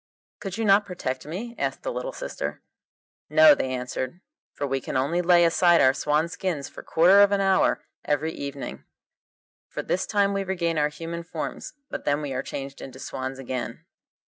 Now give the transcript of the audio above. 'Could you not protect me?' asked the little sister. 'No,' they answered, 'for we can only lay aside our swan skins for a quarter of an hour every evening. For this time we regain our human forms, but then we are changed into swans again.